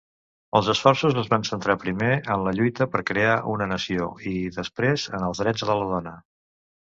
Els esforços es van centrar primer en la lluita per crear una nació i, després en els drets de la dona.